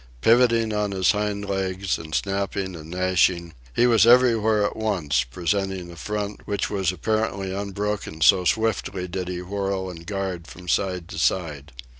Pivoting on his hind legs, and snapping and gashing, he was everywhere at once, presenting a front which was apparently unbroken so swiftly did he whirl and guard from side to side.